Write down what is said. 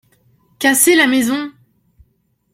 Cassez la maison.